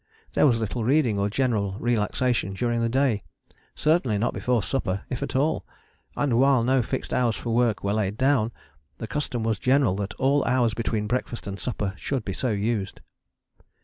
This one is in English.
There was little reading or general relaxation during the day: certainly not before supper, if at all. And while no fixed hours for work were laid down, the custom was general that all hours between breakfast and supper should be so used.